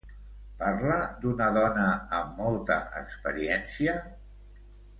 Parla d'una dona amb molta experiència?